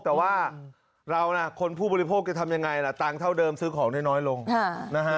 แต่ว่าเราน่ะคนผู้บริโภคจะทำยังไงล่ะตังค์เท่าเดิมซื้อของได้น้อยลงนะฮะ